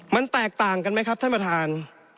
มันแตกต่างกันไหมครับท่านประธาน